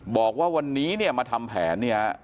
บอกว่าวันนี้มาทำแผน